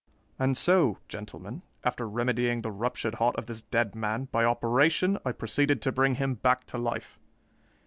And so, gentlemen, after remedying the ruptured heart of this dead man, by operation, I proceeded to bring him back to life.